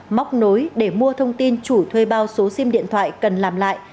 móc nối để mua thông tin chủ thuê bao số sim điện thoại cần làm lại